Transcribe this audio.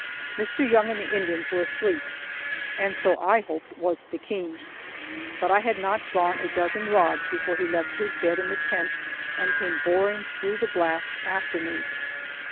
Mr. Young and the Indians were asleep, and so, I hoped, was Stickeen; but I had not gone a dozen rods before he left his bed in the tent and came boring through the blast after me.